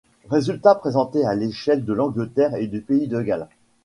Résultats présentés à l'échelle de l'Angleterre et du pays de Galles.